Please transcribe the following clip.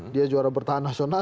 dia juara bertahan nasional